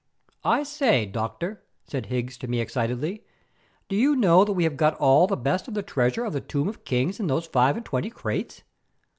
"I say, Doctor," said Higgs to me excitedly, "do you know that we have got all the best of the treasure of the Tomb of Kings in those five and twenty crates?